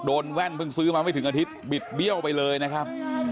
แว่นเพิ่งซื้อมาไม่ถึงอาทิตย์บิดเบี้ยวไปเลยนะครับ